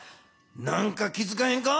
何か気づかへんか？